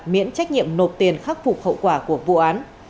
miễn trách nhiệm nộp tiền khắc phục hậu quả của vụ án